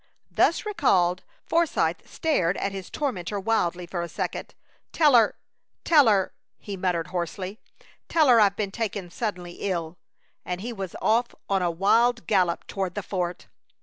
Thus recalled, Forsythe stared at his tormentor wildly for a second. "Tell her tell her" he muttered, hoarsely "tell her I've been taken suddenly ill." And he was off on a wild gallop toward the fort.